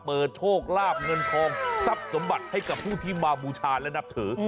โชคลาบเงินทองทรัพย์สมบัติให้กับผู้ที่มาบูชาและนับถือ